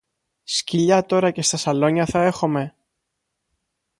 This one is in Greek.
Σκυλιά τώρα και στα σαλόνια θα έχομε;